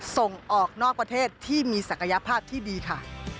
ส่งออกนอกประเทศที่มีศักยภาพที่ดีค่ะ